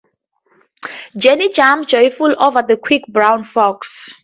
Jenny jumps joyfully over the quick brown fox.